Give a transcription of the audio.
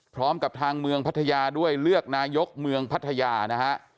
พร้อมกับทางเมืองพัทยาด้วยเลือกนายกเมืองพัทยานะฮะ